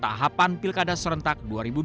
tahapan pilkada serentak dua ribu dua puluh